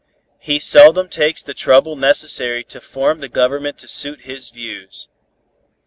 He seldom takes the trouble necessary to form the Government to suit his views.